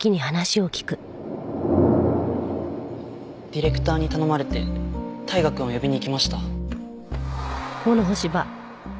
ディレクターに頼まれて大我くんを呼びに行きました。